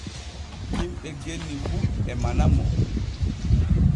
Himɓe genni fu e manamo.